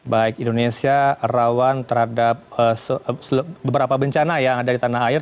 baik indonesia rawan terhadap beberapa bencana yang ada di tanah air